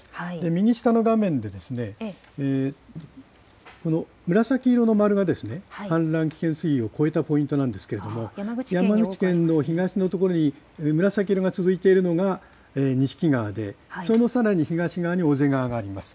右下の画面で、紫色の丸が氾濫危険水位を超えたポイントなんですけれども、山口県の東の所に紫色が続いているのがにしき川で、そのさらに東側に小瀬川があります。